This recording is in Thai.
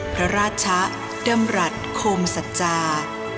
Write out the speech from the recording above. พระราชะดำรัฐโคมสัจจา